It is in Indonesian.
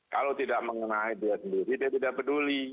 kalau tidak mengenai dia sendiri dia tidak peduli